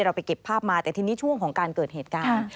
ไปเก็บภาพมาแต่ทีนี้ช่วงของการเกิดเหตุการณ์